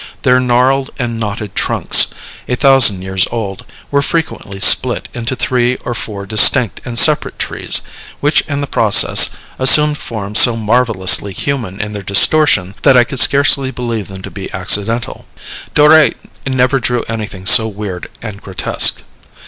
Their gnarled and knotted trunks, a thousand years old, were frequently split into three or four distinct and separate trees, which in the process assumed forms so marvellously human in their distortion, that I could scarcely believe them to be accidental. Doré never drew anything so weird and grotesque.